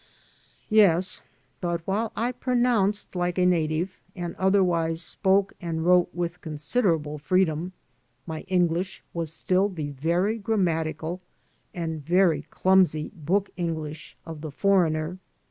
Yes; but while I pronounced like a native and otherwise spoke and wrote with considerable freedom, my English was stiQ the very grammatical and very clumsy book English of the foreigner.